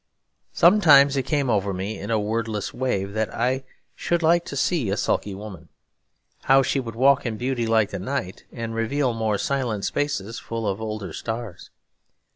Sometimes it came over me, in a wordless wave, that I should like to see a sulky woman. How she would walk in beauty like the night, and reveal more silent spaces full of older stars!